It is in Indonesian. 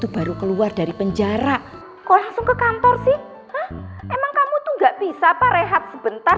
baru keluar dari penjara kok langsung ke kantor sih emang kamu tuh nggak bisa pak rehat sebentar